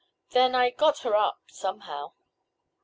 Then I—I got her up—somehow—."